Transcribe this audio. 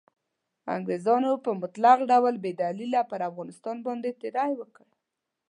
انګریزانو په مطلق ډول بې دلیله پر افغانستان باندې تیری وکړ.